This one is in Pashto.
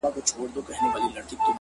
• یا ړنده یم زما علاج دي نه دی کړی ,